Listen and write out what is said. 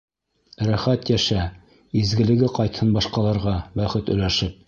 Рәхәт йәшә, изгелеге ҡайтһын Башҡаларға бәхет өләшеп!